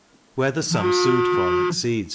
Where the sum sued for exceeds 300L.